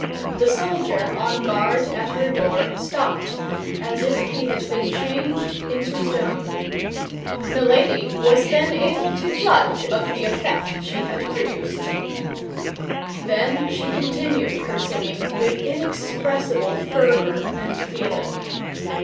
The soldier on guard at her door stopped, as if he had been changed into stone. Milady was then able to judge of the effect she had produced. Then she continued her singing with inexpressible fervor and feeling.